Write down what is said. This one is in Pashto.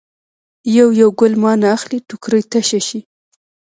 یو یو ګل مانه اخلي ټوکرۍ تشه شي.